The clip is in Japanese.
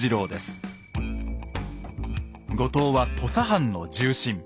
後藤は土佐藩の重臣。